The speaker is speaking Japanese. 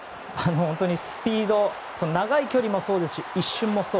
本当にスピード長い距離もそうですし一瞬もそう。